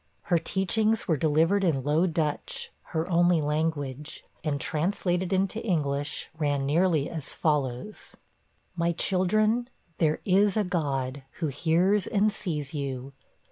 Her teachings were delivered in Low Dutch, her only language, and, translated into English, ran nearly as follows: 'My children, there is a God, who hears and sees you.'